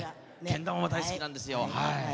けん玉も大好きなんですよ。